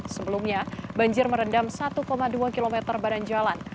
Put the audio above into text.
sebelumnya banjir merendam satu dua km badan jalan